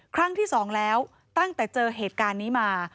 ครั้งที่สองแล้วตั้งแต่เจอเหตุการณ์นี้มา